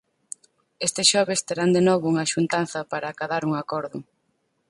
Este xoves terán de novo unha xuntanza para acadar un acordo.